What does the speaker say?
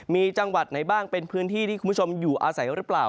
มีจังหวัดไหนบ้างเป็นพื้นที่ที่คุณผู้ชมอยู่อาศัยหรือเปล่า